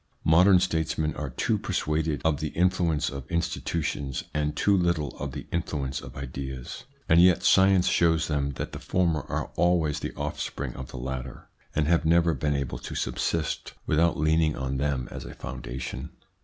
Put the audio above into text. Modern statesmen are too persuaded of the influence of institutions and too little of the influence of ideas. And yet science shows them that the former are always the offspring of the latter, and have never been able to subsist without leaning on ITS INFLUENCE ON THEIR EVOLUTION 219 them as a foundation.